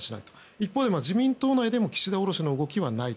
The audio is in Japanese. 一方で自民党内でも岸田降ろしの動きはない。